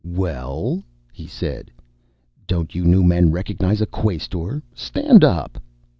"Well?" he said. "Don't you new men recognize a Quaestor? Stand up!"